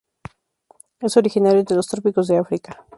Es originario de los trópicos de África.